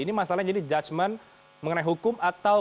ini masalahnya jadi judgement mengenai hukum atau